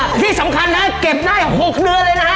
แต่ที่สำคัญเลยครับเก็บได้หกเดือดเลยนะครับ